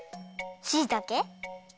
しいたけ？